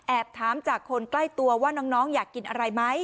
ถามจากคนใกล้ตัวว่าน้องอยากกินอะไรไหม